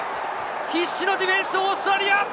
必死のディフェンス、オーストラリア。